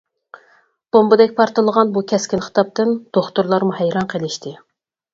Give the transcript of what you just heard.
بومبىدەك پارتلىغان بۇ كەسكىن خىتابتىن دوختۇرلارمۇ ھەيران قېلىشتى.